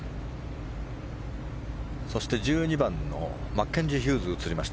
そして１２番のマッケンジー・ヒューズが映りました。